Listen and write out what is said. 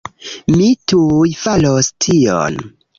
Mi tuj faros tion